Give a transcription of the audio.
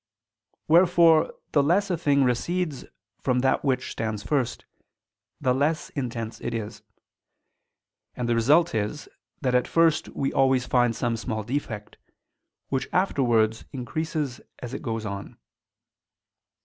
Wherefore the less a thing recedes from that which stands first, the less intense it is: and the result is that at first we always find some small defect, which afterwards increases as it goes on.